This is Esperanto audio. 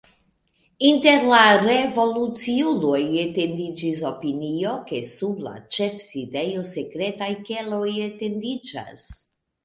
Inter la revoluciuloj etendiĝis opinio, ke sub la ĉefsidejo sekretaj keloj etendiĝas.